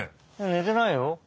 ねてないよ。